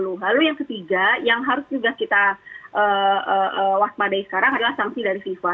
lalu yang ketiga yang harus juga kita waspadai sekarang adalah sanksi dari fifa